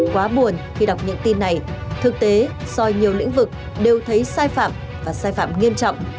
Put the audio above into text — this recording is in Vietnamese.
quá buồn khi đọc những tin này thực tế so nhiều lĩnh vực đều thấy sai phạm và sai phạm nghiêm trọng